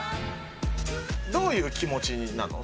どういう気持ちなの？